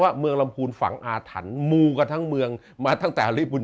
เมืองลำพูนฝังอาถรรพ์มูกันทั้งเมืองมาตั้งแต่ฮริบุญ